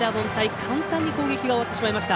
簡単に攻撃が終わってしまいました。